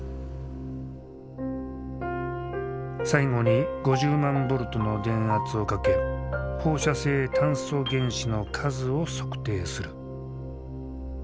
最後に５０万ボルトの電圧をかけ放射性炭素原子の数を測定する。